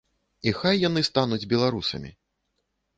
І хай яны стануць беларусамі!